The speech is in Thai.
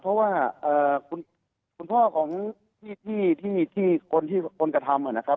เพราะว่าคุณพ่อของพี่ที่คนที่คนกระทำนะครับ